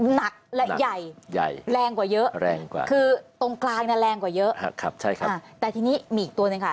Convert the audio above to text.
หนักและใหญ่แรงกว่าเยอะคือตรงกลางแรงกว่าเยอะครับใช่ครับแต่ทีนี้มีอีกตัวนึงค่ะ